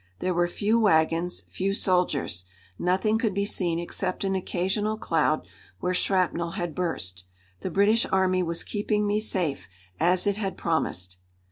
There were few wagons, few soldiers. Nothing could be seen except an occasional cloud where shrapnel had burst. The British Army was keeping me safe, as it had promised!